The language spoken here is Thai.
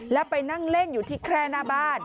แล้วไปนั่งเล่นอยู่ที่แคร่หน้าบ้าน